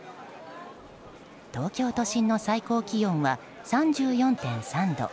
東京都心の最高気温は３４．３度。